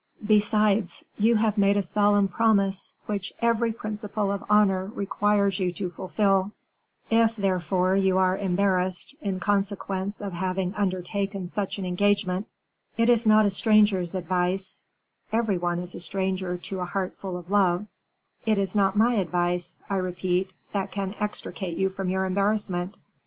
Besides, you have made a solemn promise, which every principle of honor requires you to fulfil; if, therefore, you are embarrassed, in consequence of having undertaken such an engagement, it is not a stranger's advice (every one is a stranger to a heart full of love), it is not my advice, I repeat, that can extricate you from your embarrassment.